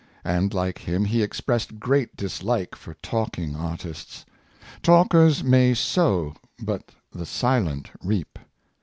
"and, like him, he expressed great dislike for talking artists. Talkers may sow, but the silent reap.